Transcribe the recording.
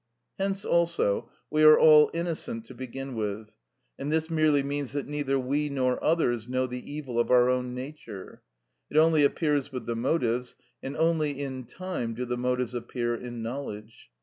Hence, also, we are all innocent to begin with, and this merely means that neither we nor others know the evil of our own nature; it only appears with the motives, and only in time do the motives appear in knowledge.